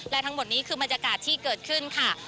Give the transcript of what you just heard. และทั้งหมดนี้คือบรรยากาศที่เกิดขึ้นค่ะ